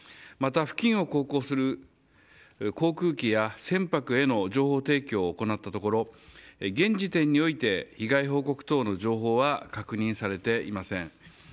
また、付近を航行する航空機や船舶への情報提供を行ったところ現時点において被害報告等の情報は確認されていません。